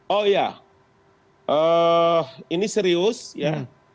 oh iya ini serius ya